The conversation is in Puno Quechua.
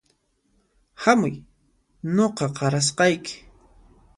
Hamuy nuqa qarasqayki